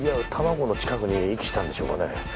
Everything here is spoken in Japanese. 湖の近くに遺棄したんでしょうかね。